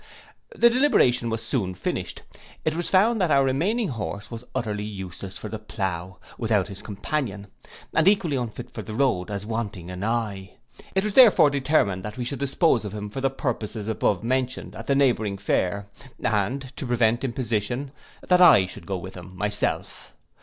The deliberation was soon finished, it was found that our remaining horse was utterly useless for the plow, without his companion, and equally unfit for the road, as wanting an eye, it was therefore determined that we should dispose of him for the purposes above mentioned, at the neighbouring fair, and, to prevent imposition, that I should go with him myself.